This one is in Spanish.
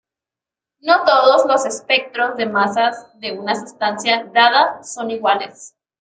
No todos los espectros de masas de una sustancia dada son iguales.